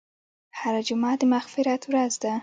هره جمعه د مغفرت ورځ ده.